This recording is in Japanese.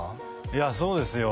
いやそうですよ